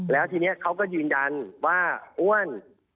แล้วทีนี้เขาก็ยืนยันว่าอ้วน